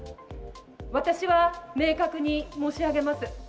私は明確に申し上げます。